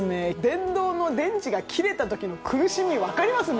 電動の電池が切れた時の苦しみ分かります？